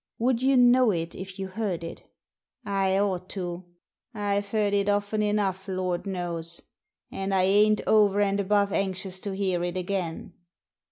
Would you know it if you heard it?" "I ought to. I've heard it often enough, Lord knows ; and I ain't over and above anxious to hear it again."